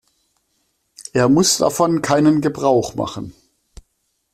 Er muss davon keinen Gebrauch machen.